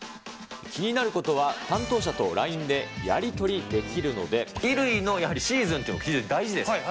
気になることは担当者とＬＩＮＥでやり取りできるので、衣類のやはりシーズンというのは、非常に大事です。